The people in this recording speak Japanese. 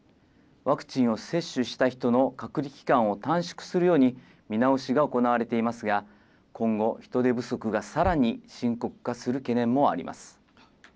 ワクチンを接種した人の隔離期間を短縮するように見直しが行われていますが、今後、人手不足がさらに深刻化する懸念もあります。